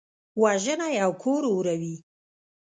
وژنه یو کور اوروي